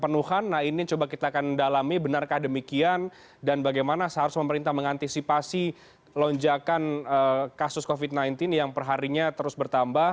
nah ini coba kita akan dalami benarkah demikian dan bagaimana seharusnya pemerintah mengantisipasi lonjakan kasus covid sembilan belas yang perharinya terus bertambah